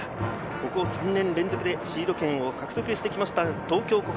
ここ３年連続でシード権を獲得しています。